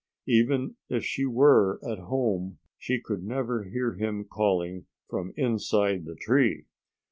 Even if she were at home she could never hear him calling from inside the tree.